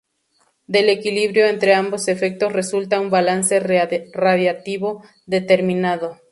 Del equilibrio entre ambos efectos resulta un balance radiativo determinado.